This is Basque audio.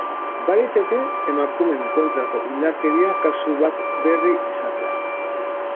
Baliteke emakumeen kontrako indarkeria kasu bat berri izatea.